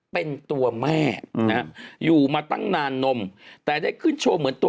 เป็นตัวแม่นะฮะอยู่มาตั้งนานนมแต่ได้ขึ้นโชว์เหมือนตัว